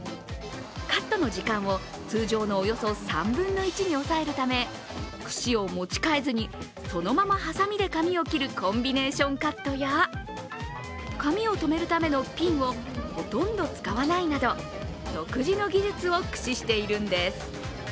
カットの時間を通常のおよそ３分の１に抑えるため、くしを持ち替えずに、そのままハサミで髪を切るコンビネーションカットや髪をとめるためのピンをほとんど使わないなど独自の技術を駆使しているんです。